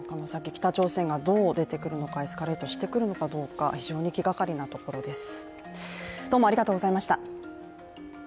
北朝鮮がどう出てくるのか、エスカレートしてくるのか非常に気がかりなところです。